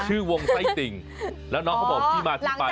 ชื่อวงไส้ติ่งแล้วน้องเขาบอกที่มาที่ไป